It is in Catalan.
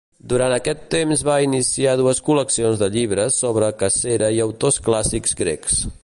Durant aquest temps va iniciar dues col·leccions de llibres sobre cacera i autors clàssics grecs.